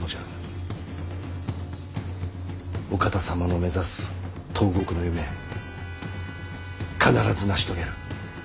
お方様の目指す東国の夢必ず成し遂げる。